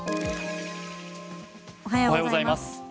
おはようございます。